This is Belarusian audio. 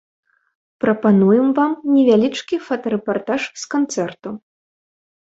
Прапануем вам невялічкі фотарэпартаж з канцэрту.